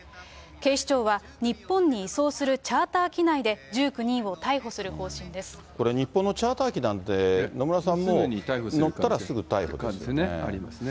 警視庁は、日本に移送するチャーター機内で、これ、日本のチャーター機なんで、野村さん、ありますね。